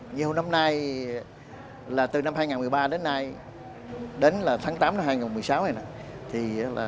nhiều năm nay là từ năm hai nghìn một mươi ba đến nay đến tháng tám năm hai nghìn một mươi sáu này nè